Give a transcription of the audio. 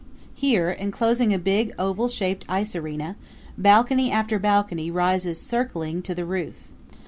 Here, inclosing a big, oval shaped ice arena, balcony after balcony rises circling to the roof.